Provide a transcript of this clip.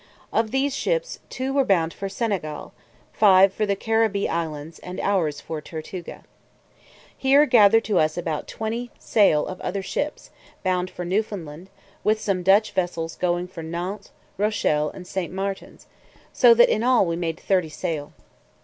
Of these ships two were bound for Senegal, five for the Caribbee islands, and ours for Tortuga. Here gathered to us about twenty sail of other ships, bound for Newfoundland, with some Dutch vessels going for Nantz, Rochel, and St. Martin's, so that in all we made thirty sail.